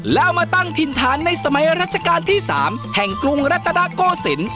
แล้วมาตั้งถิ่นฐานในสมัยรัชกาลที่๓แห่งกรุงรัตนาโกศิลป์